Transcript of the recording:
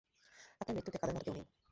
আপনার মৃত্যুতে কাঁদার মতো কেউ নেই।